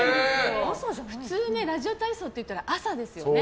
普通、ラジオ体操っていったら朝ですよね。